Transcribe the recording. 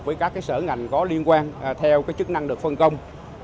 với các sở ngành có liên quan theo chức năng được phân công